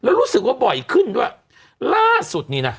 แล้วรู้สึกว่าบ่อยขึ้นด้วยล่าสุดนี่น่ะ